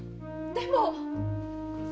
でも！